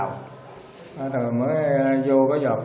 rồi mới vô cái giọt khe chỗ nhà thông ở khán tăng đấy